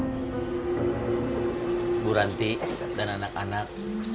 ibu ranti dan anak anak